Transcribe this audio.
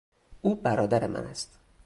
او برادر من است.